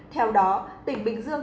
theo đó tỉnh bình dương